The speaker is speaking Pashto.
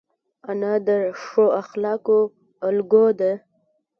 انا د ښو اخلاقو الګو ده